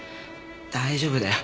大丈夫だよ。